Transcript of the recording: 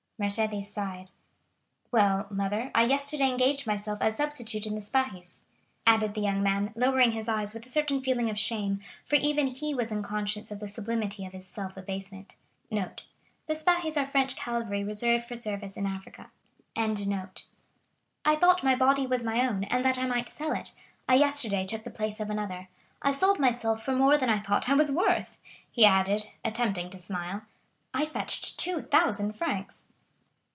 Mercédès sighed. "Well, mother, I yesterday engaged myself as substitute in the Spahis,"25 added the young man, lowering his eyes with a certain feeling of shame, for even he was unconscious of the sublimity of his self abasement. "I thought my body was my own, and that I might sell it. I yesterday took the place of another. I sold myself for more than I thought I was worth," he added, attempting to smile; "I fetched 2,000 francs."